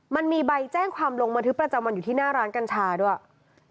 มันมีใบแจ้งความลงบันทึกประจำวันอยู่ที่หน้าร้านกัญชาด้วย